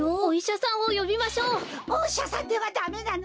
おいしゃさんではダメなの。